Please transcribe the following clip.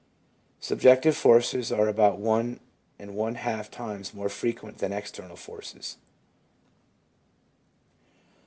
Subjective forces are about one and one half times more frequent than external forces.